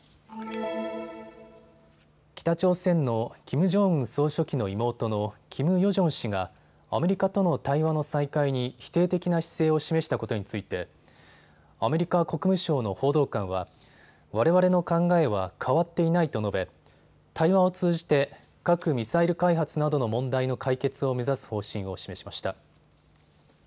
北朝鮮のキム・ジョンウン総書記の妹のキム・ヨジョン氏がアメリカとの対話の再開に否定的な姿勢を示したことについてアメリカ国務省の報道官はわれわれの考えは変わっていないと述べ対話を通じて核・ミサイル開発などの問題の解決を目指す方針を示しました。